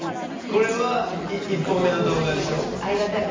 これは１本目の動画でしょ？